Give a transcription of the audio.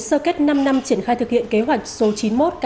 so kết năm năm triển khai thực hiện kế hoạch số hai tấn rác